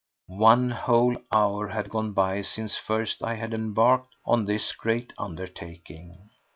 One whole hour had gone by since first I had embarked on this great undertaking.